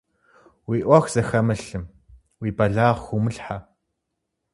Уи ӏуэху зыхэмылъым уи бэлагъ хыумылъхьэ.